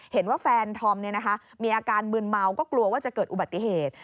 เห็นว่าแฟนธอมมีอาการมืนเมาก็กลัวว่าจะเกิดอุบัติเหตุ